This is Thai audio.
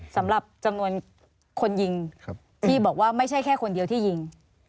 สำหรับจำนวนคนยิงที่บอกว่าไม่ใช่แค่คนเดียวที่ยิง